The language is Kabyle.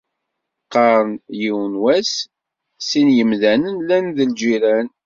Qqaren, yiwen wass, sin yimdanen, llan d lğiran.